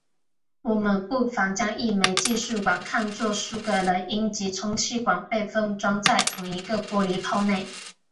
我们不妨将一枚计数管看作数个冷阴极充气管被封装在同一个玻璃泡内。